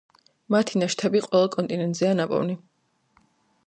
მათი ნაშთები ყველა კონტინენტზეა ნაპოვნი.